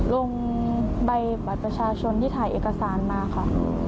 ลงใบบัตรประชาชนที่ถ่ายเอกสารมาค่ะ